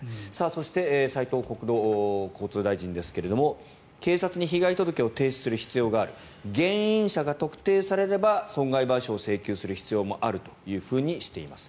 そして、斉藤国土交通大臣ですが警察に被害届を提出する必要がある原因者が特定されれば損害賠償を請求する必要もあるとしています。